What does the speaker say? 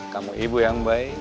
kamu ibu yang baik